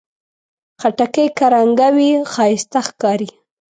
خټکی که رنګه وي، ښایسته ښکاري.